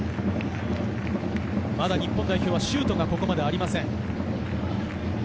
まだ日本代表はシュートがありません。